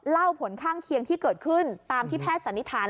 ผลข้างเคียงที่เกิดขึ้นตามที่แพทย์สันนิษฐาน